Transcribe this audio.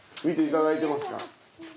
見ていただいてますか？